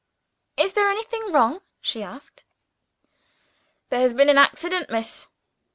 "Is there anything wrong?" she asked. "There has been an accident, miss."